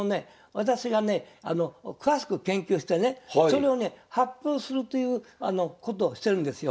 私がね詳しく研究してねそれをね発表するということをしてるんですよ。